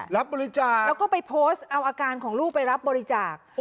รับบริจาคแล้วก็ไปโพสต์เอาอาการของลูกไปรับบริจาค